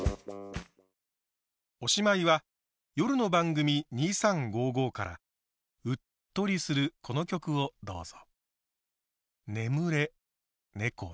おしまいは夜の番組「２３５５」からうっとりするこの曲をどうぞ。